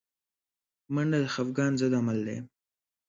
منډه د خفګان ضد عمل دی